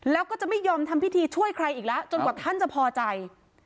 แล้วก็จะไม่ยอมทำพิธีช่วยใครอีกแล้วจนกว่าท่านจะพอใจ